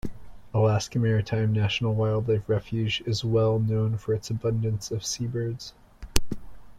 Alaska Maritime National Wildlife Refuge is well known for its abundance of seabirds.